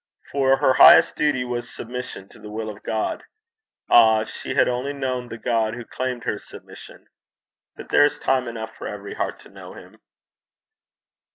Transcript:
For her highest duty was submission to the will of God. Ah! if she had only known the God who claimed her submission! But there is time enough for every heart to know him.